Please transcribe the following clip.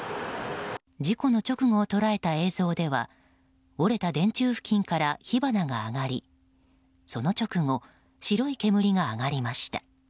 事故の直後を捉えた映像では折れた電柱付近から火花が上がりその直後、白い煙が上がりました。